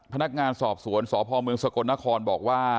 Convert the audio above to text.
พนักงานสอบสวนสพลศนครบอกว่า